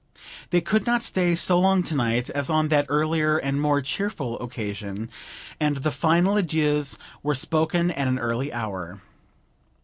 They could not stay so long to night as on that earlier and more cheerful occasion, and the final adieus were spoken at an early hour.